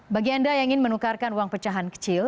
bagi anda yang ingin menukarkan uang pecahan kecil